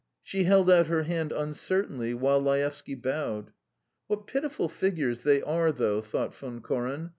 She held out her hand uncertainly, while Laevsky bowed. "What pitiful figures they are, though!" thought Von Koren.